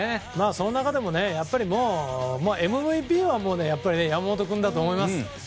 その中でも、ＭＶＰはやっぱり山本君だと思います。